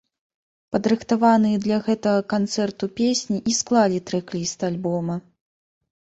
Падрыхтаваныя для гэтага канцэрту песні і склалі трэк-ліст альбома.